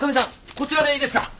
こちらでいいですか？